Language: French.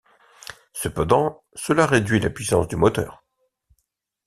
Cependant, cela réduit la puissance du moteur.